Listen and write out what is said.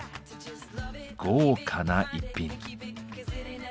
豪華な逸品。